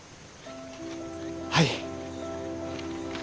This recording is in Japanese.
はい！